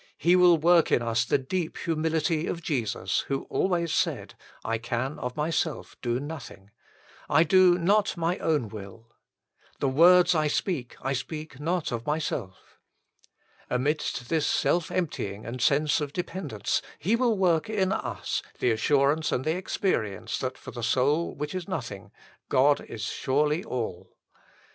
He will work in us the deep humility of Jesus, who always said :" I can of Myself do nothing "; "I do not My own will ";" The words I speak, I speak not of Myself." l Amidst this self emptying and sense of dependence He will work in us the assurance and the experience that for the soul which is nothing, God is surely ALL.